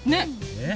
えっ？